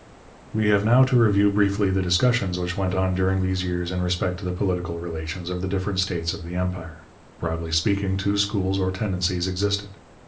We have now to review briefly the discussions which went on during these years in respect to the political relations of the different states of the Empire. Broadly speaking, two schools or tendencies existed.